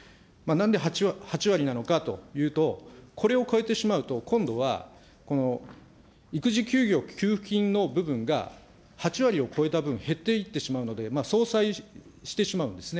なんで８割なのかというと、これを超えてしまうと、今度は、この育児休業給付金の部分が、８割を超えた分減っていってしまうので、相殺してしまうんですね。